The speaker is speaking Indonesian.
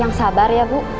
yang sabar ya bu